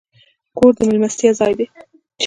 کور د میلمستیا ځای دی.